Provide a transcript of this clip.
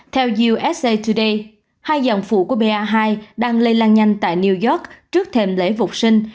theo usa today hai dòng vụ của ba hai đang lây lan nhanh tại new york trước thềm lễ vụt sinh